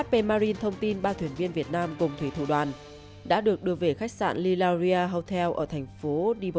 hp marine thông tin ba thuyền viên việt nam cùng thủy thủ đoàn đã được đưa về khách sạn lilaria hotel ở thành phố dibakar